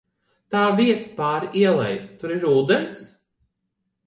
Tā vieta pāri ielai, tur ir ūdens?